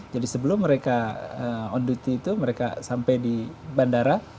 jadi sebelum mereka on duty itu mereka sampai di bandara